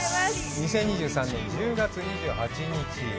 ２０２３年１０月２８日。